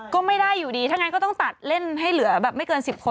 ก็ไม่ได้อยู่ดีถ้างั้นก็ต้องตัดเล่นให้เหลือแบบไม่เกิน๑๐คน